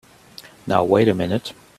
Now wait a minute!